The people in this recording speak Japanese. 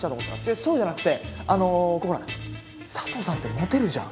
そうじゃなくてあのこうほらサトウさんってモテるじゃん。